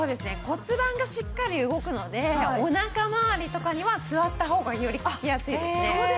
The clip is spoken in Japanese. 骨盤がしっかり動くのでおなかまわりとかには座った方がより効きやすいですね。